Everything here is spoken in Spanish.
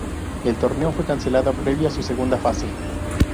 El torneo fue cancelado previo a su segunda fase.